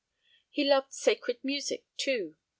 He loved sacred music, too.